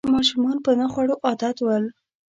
ماشومان په نه خوړو عادت ول